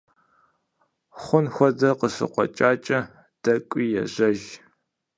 Хъун хуэдэ къыщыкъуэкӀакӀэ, дэкӀуи ежьэж.